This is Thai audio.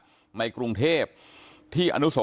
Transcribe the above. สวัสดีคุณผู้ชมครับสวัสดีคุณผู้ชมครับ